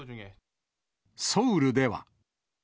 ソウルでは。